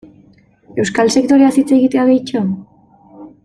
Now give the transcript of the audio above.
Euskal sektoreaz hitz egitea, gehitxo?